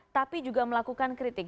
tapi juga melakukan kritik